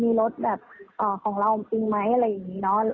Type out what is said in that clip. มีรถแบบของเราจริงไหมอะไรอย่างนี้เนอะ